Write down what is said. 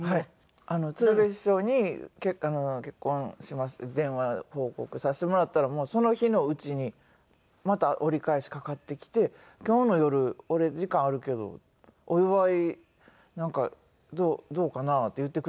鶴瓶師匠に「結婚します」って電話報告させてもらったらもうその日のうちにまた折り返しかかってきて「今日の夜俺時間あるけどお祝いなんかどうかな？」って言ってくださって。